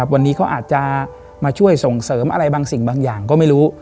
วันนี้เขาอาจจะมาช่วยส่งเสริมอะไรบางสิ่งบางอย่างก็ไม่รู้